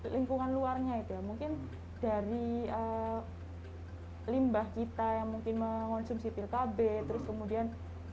lingkungan luarnya itu mungkin dari limbah kita yang mungkin mengonsumsi pilkab terus kemudian